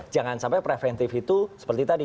jangan sampai preventif itu seperti tadi